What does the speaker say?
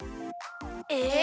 えっ？